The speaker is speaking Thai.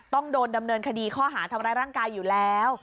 ต้องโดนดำเนินคดีข้อหาทำร้ายร่างกายอยู่แล้ว